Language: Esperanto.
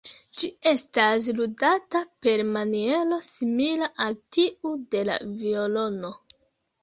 Ĝi estas ludata per maniero simila al tiu de la violono.